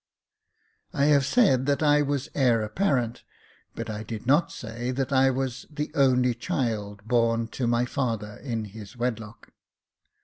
I have said that I was heir apparent, but I did not say that I was the only child born to my father in his wedlock.